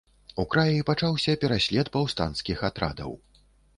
У краі пачаўся пераслед паўстанцкіх атрадаў.